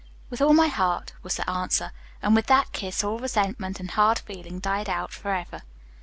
"With all my heart," was the answer. And with that kiss all resentment and hard feeling died out forever.